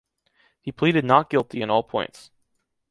He pleaded “not guilty” in all points.